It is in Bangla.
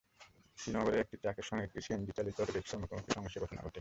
শ্রীনগরে একটি ট্রাকের সঙ্গে একটি সিএনজিচালিত অটোরিকশার মুখোমুখি সংঘর্ষের ঘটনা ঘটে।